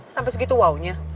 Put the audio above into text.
sampai segitu wow nya